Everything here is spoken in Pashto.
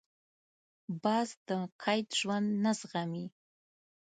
باز د قید ژوند نه زغمي